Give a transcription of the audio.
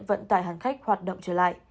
vận tải hàng khách hoạt động trở lại